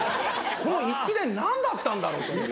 この一連何だったんだろう？と思って。